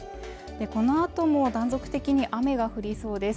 この後も断続的に雨が降りそうです。